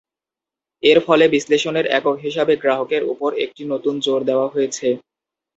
এর ফলে বিশ্লেষণের একক হিসাবে গ্রাহকের উপর একটি নতুন জোর দেওয়া হয়েছে।